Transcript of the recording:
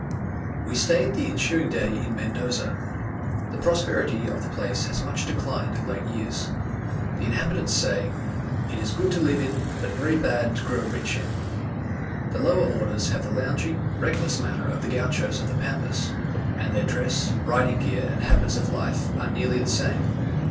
We stayed the ensuing day in Mendoza. The prosperity of the place has much declined of late years. The inhabitants say "it is good to live in, but very bad to grow rich in." The lower orders have the lounging, reckless manners of the Gauchos of the Pampas; and their dress, riding gear, and habits of life, are nearly the same.